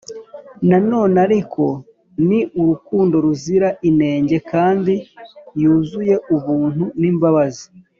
na none ariko ni urukundo ruzira inenge kandi yuzuye ubuntu n'imbabazi.